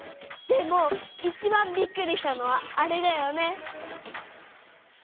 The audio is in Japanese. でもいちばんびっくりしたのはあれだよね。